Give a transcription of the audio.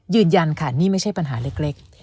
ยืนยันค่ะนี่ไม่ใช่ปัญหาเล็ก